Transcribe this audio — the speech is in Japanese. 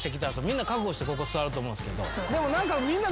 みんな覚悟してここ座ると思うんすけど。